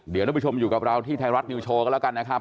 เดี๋ยวท่านผู้ชมอยู่กับเราที่ไทยรัฐนิวโชว์กันแล้วกันนะครับ